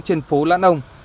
trên phố lãn âu